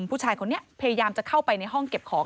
ผู้ชายคนนี้พยายามจะเข้าไปในห้องเก็บของ